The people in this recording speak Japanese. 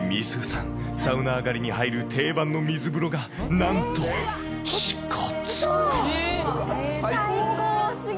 さん、サウナ上がりに入る定番の水風呂が、なんと支笏湖。